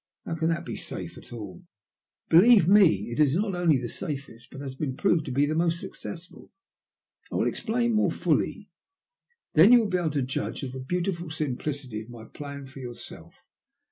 How 'can that be safe at all?" "Believe me, it is not only the safest, but has been proved to be the most successful. I will explain more fully, then you will be able to judge of the beautiful simplicity of my plan for yourself.